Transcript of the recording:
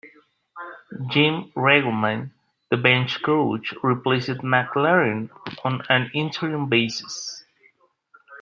Jim Riggleman, the bench coach, replaced McLaren on an interim basis.